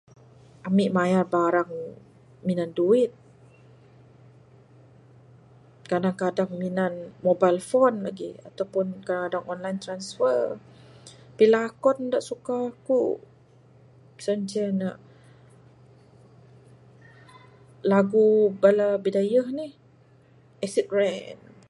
Ami mayar barang minan duit. Kadang kadang, minan mobile phone lagik atau pun kadang online transfer. Pilakon da suka kuk, sien ceh ne, lagu bala Bidayuh nih. Acid Rain.